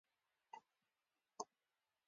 د تیارو بلا یې وینې دي چیښلې